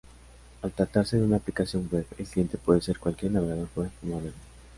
Al tratarse de una aplicación web, el cliente puede ser cualquier navegador web moderno.